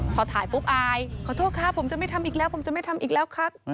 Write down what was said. พอถ่ายปุ๊บอายขอโทษครับผมจะไม่ทำอีกแล้วผมจะไม่ทำอีกแล้วครับ